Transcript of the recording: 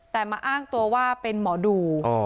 แต่มาอ้างตัวว่าเป็นหมอดู